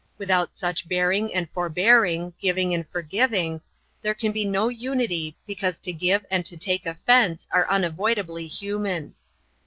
Without such bearing and forbearing, giving and forgiving, there can be no unity because to give and to take offense are unavoidably human.